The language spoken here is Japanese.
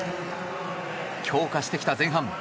強化してきた前半。